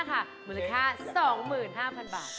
ราคา๒๕๐๐๐บาท